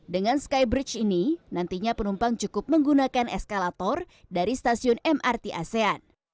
dengan skybridge ini nantinya penumpang cukup menggunakan eskalator dari stasiun mrt asean